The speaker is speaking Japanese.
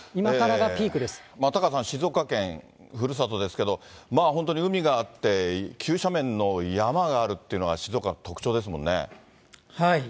タカさん、静岡県、ふるさとですけど、まあ本当に、海があって、急斜面の山があるっていうのが静岡の特徴ですもんね。